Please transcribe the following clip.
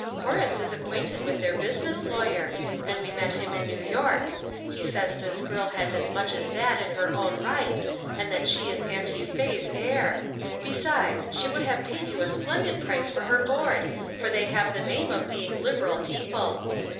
Horace is acquainted with their business lawyer, and we met him in New York ; he says this girl has as much as that in her own right, and that she is Auntie Faye's heir ; besides, she would have paid you a splen did price for her board, for they have the name of being liberal people."